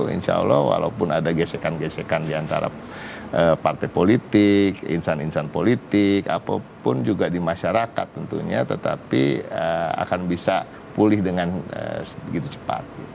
insya allah walaupun ada gesekan gesekan diantara partai politik insan insan politik ataupun juga di masyarakat tentunya tetapi akan bisa pulih dengan begitu cepat